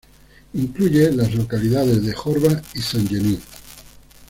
Incluye las localidades de Jorba y Sant Genís.